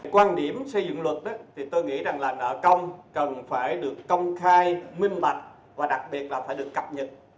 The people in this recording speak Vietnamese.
quan điểm xây dựng luật thì tôi nghĩ rằng là nợ công cần phải được công khai minh bạch và đặc biệt là phải được cập nhật